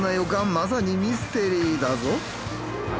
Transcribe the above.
まさにミステリーだぞ。